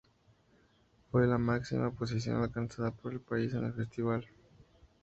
Fue la máxima posición alcanzada por el país en el festival.